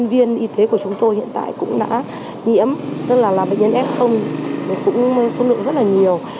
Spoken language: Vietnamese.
nhân viên y tế của chúng tôi hiện tại cũng đã nhiễm tức là bệnh nhân f cũng số lượng rất là nhiều